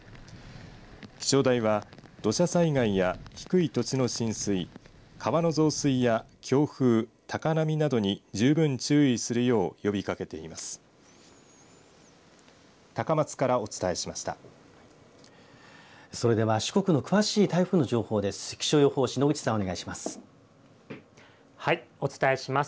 気象台は土砂災害や低い土地の浸水川の増水や強風、高波などに十分注意するよう呼びかけています。